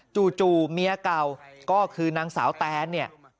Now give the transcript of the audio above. จู่เมียเก่าก็คือนางสาวแตนเนี่ย